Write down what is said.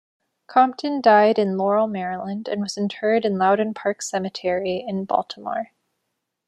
Compton died in Laurel, Maryland and was interred in Loudon Park Cemetery in Baltimore.